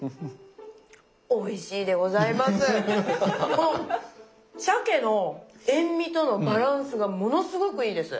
このしゃけの塩みとのバランスがものすごくいいです。